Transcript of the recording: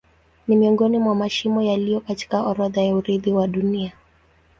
Ni miongoni mwa mashimo yaliyo katika orodha ya urithi wa Dunia.